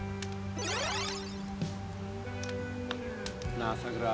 なあさくら。